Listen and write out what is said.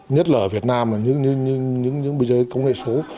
nhất là ở việt nam là những bây giờ công nghệ số